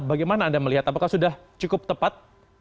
bagaimana anda melihat apakah sudah cukup tepat